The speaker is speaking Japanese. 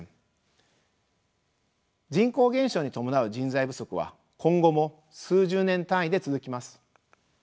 人口減少に伴う人材不足は今後も数十年単位で続きます。